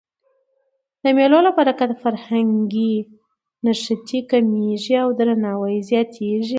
د مېلو له برکته فرهنګي نښتي کمېږي او درناوی زیاتېږي.